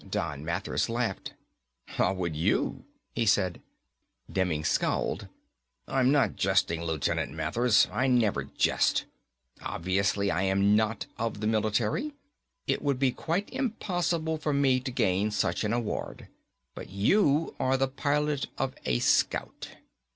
Don Mathers laughed. "How would you?" he said. Demming scowled. "I am not jesting, Lieutenant Mathers. I never jest. Obviously, I am not of the military. It would be quite impossible for me to gain such an award. But you are the pilot of a Scout."